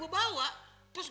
gue mau nganjurin